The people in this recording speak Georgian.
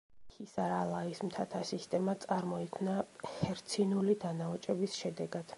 ჰისარ-ალაის მთათა სისტემა წარმოიქმნა ჰერცინული დანაოჭების შედეგად.